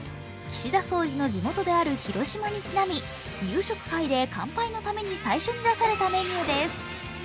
岸田総理の地元である広島にちなみ夕食会で乾杯のために最初に出されたメニューです。